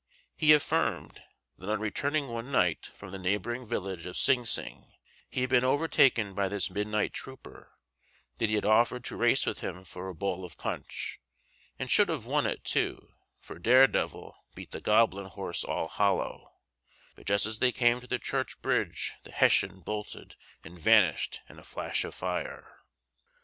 He affirmed that on returning one night from the neighboring village of Sing Sing he had been over taken by this midnight trooper; that he had offered to race with him for a bowl of punch, and should have won it too, for Daredevil beat the goblin horse all hollow, but just as they came to the church bridge the Hessian bolted and vanished in a flash of fire.